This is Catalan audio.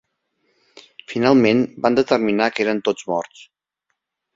Finalment van determinar que eren tots morts.